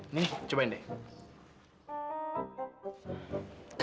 nih cobain deh